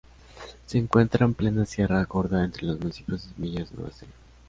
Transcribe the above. Se encuentra en plena sierra Gorda entre los municipios de Semillas y Monasterio.